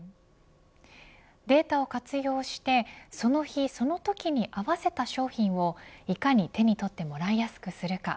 データを活用してその日そのときに合わせた商品をいかに手に取ってもらいやすくするか。